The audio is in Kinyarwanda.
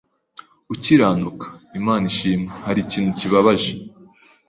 ukiranuka . Imana ishimwe. Hari ikintu kibabaje